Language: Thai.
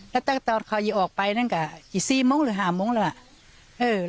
แล้วตอนเขาออกไปนั่นก็สี่โมงหรือหาโมงแล้ว